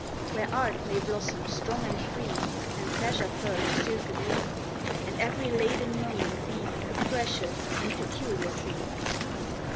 Where Art may blossom strong and free, And Pleasure furl her silken wing, And every laden moment be A precious and peculiar thing?